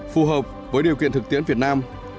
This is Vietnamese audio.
phù hợp với điều kiện thực tiễn việt nam